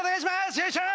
よいしょー！